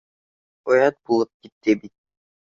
Оят булып китте бит